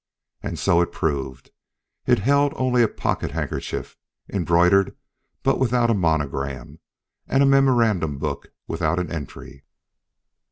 And so it proved. It held only a pocket handkerchief embroidered but without a monogram and a memorandum book without an entry.